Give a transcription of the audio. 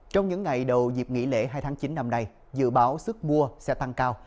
trong những ngày đầu dịp nghỉ lễ hai tháng chín năm nay dự báo sức mua sẽ tăng cao